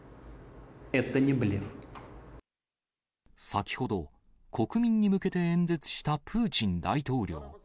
先ほど、国民に向けて演説したプーチン大統領。